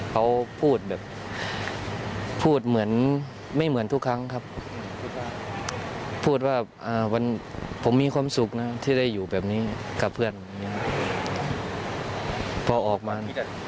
เขาพูดแบบพูดเหมือนไม่เหมือนทุกครั้งครับพูดว่าผมมีความสุขนะที่ได้อยู่แบบนี้กับเพื่อนพอออกมา